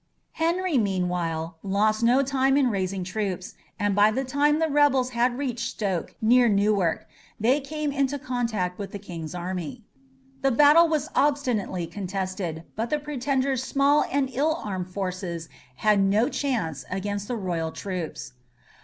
Henry, meanwhile, lost no time in raising troops, and by the time the rebels had reached Stoke, near Newark, they came into contact with the King's army. The battle was obstinately contested, but the pretender's small and ill armed forces had no chance against the royal troops.